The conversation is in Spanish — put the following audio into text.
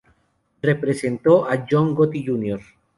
Representó a John Gotti Jr.